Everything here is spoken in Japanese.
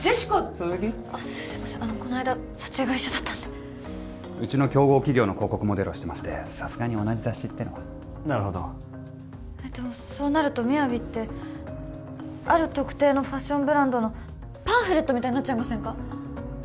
この間撮影が一緒だったんでうちの競合企業の広告モデルをしてましてさすがに同じ雑誌ってのはなるほどでもそうなるとＭＩＹＡＶＩってある特定のファッションブランドのパンフレットみたいになっちゃいませんか？